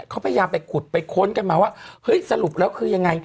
เขาพยายามไปขุดไปค้นกันมาว่าเฮ้ยสรุปแล้วคือยังไง